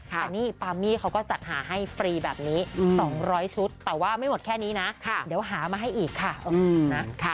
แต่นี่ปามี่เขาก็จัดหาให้ฟรีแบบนี้๒๐๐ชุดแต่ว่าไม่หมดแค่นี้นะเดี๋ยวหามาให้อีกค่ะนะ